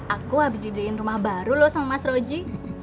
aku habis didiain rumah baru loh sama mas roji